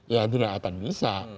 ya tidak akan bisa